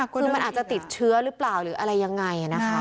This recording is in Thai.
คือมันอาจจะติดเชื้อหรือเปล่าหรืออะไรยังไงนะคะ